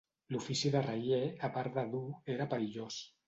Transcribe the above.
L'ofici de raier, a part de dur, era perillós.